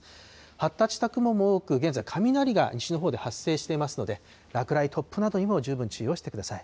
発達した雲も多く、現在、雷が西のほうで発生していますので、落雷、突風などにも十分注意をしてください。